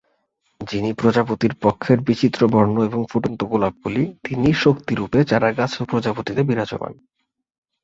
যিনি প্রজাপতির পক্ষের বিচিত্রবর্ণ এবং ফুটন্ত গোলাপকলি, তিনিই শক্তিরূপে চারাগাছ ও প্রজাপতিতে বিরাজমান।